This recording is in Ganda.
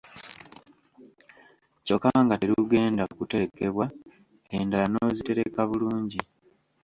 Kyokka nga terugenda kuterekebwa, endala n’ozitereka bulungi